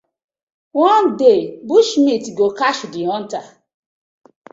One day bush meat go catch the hunter: